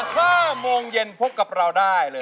ห้าโมงเย็นพบกับเราได้เลย